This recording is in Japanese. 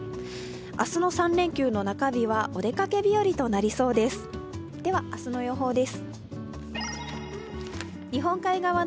明日の３連休の中日はお出かけ日和となりそうです。